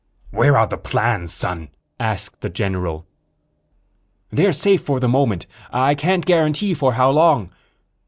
"Where are the plans, son?" asked the general. "They're safe, for the moment. I can't guarantee for how long."